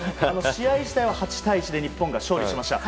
試合自体は８対１で日本が勝利しました。